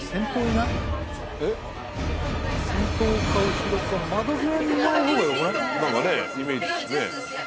なんかねイメージ。